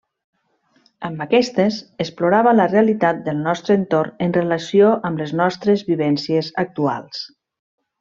Amb aquestes, explorava la realitat del nostre entorn en relació amb les nostres vivències actuals.